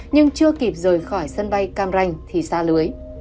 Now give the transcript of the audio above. nhưng chưa kịp rời khỏi sân bay cam ranh thì xa lưới